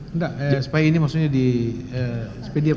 tidak supaya ini maksudnya di sepedia